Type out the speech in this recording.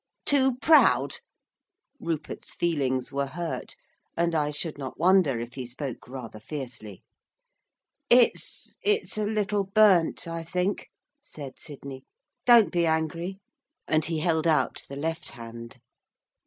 'Too proud?' Rupert's feelings were hurt, and I should not wonder if he spoke rather fiercely. 'It's it's a little burnt, I think,' said Sidney, 'don't be angry,' and he held out the left hand.